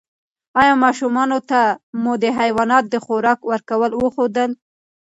ایا ماشومانو ته مو د حیواناتو د خوراک ورکولو وښودل؟